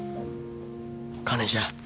金じゃ。